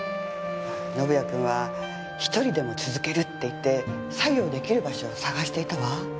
宣也君は一人でも続けるって言って作業出来る場所を探していたわ。